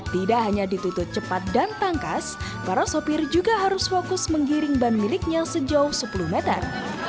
tidak hanya ditutup cepat dan tangkas para sopir juga harus fokus menggiring ban miliknya sejauh sepuluh meter